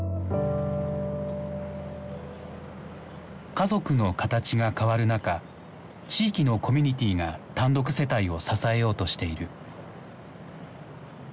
家族の形が変わる中地域のコミュニティーが単独世帯を支えようとしている。